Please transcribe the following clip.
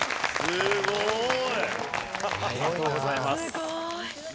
すごーい！